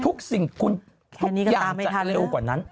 ทุกสิ่งคุณแค่นี้ก็ตามไม่ทันนะทุกอย่างจะเร็วกว่านั้น